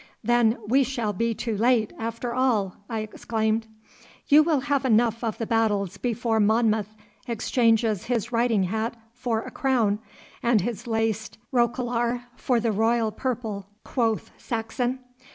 'Then we shall be too late, after all,' I exclaimed. 'You will have enough of battles before Monmouth exchanges his riding hat for a crown, and his laced roquelaure for the royal purple,' quoth Saxon.